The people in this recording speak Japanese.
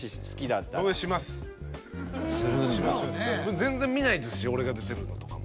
全然見ないですし俺が出てるのとかも。